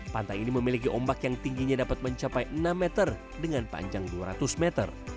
pantai ini memiliki ombak yang tingginya dapat mencapai enam meter dengan panjang dua ratus meter